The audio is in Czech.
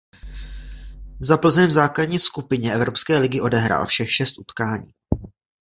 Za Plzeň v základní skupině Evropské ligy odehrál všech šest utkání.